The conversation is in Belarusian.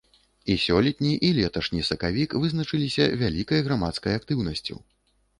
І сёлетні, і леташні сакавік вызначыліся вялікай грамадскай актыўнасцю.